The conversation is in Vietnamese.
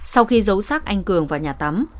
sau khi giấu xác anh cường vào nhà tắm